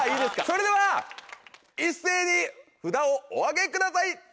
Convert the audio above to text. それでは一斉に札をお上げくださいどうぞ！